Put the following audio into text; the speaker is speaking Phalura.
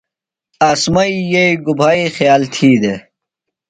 عاصمئی یئییۡ گُبھائی خیال تھی دےۡ؟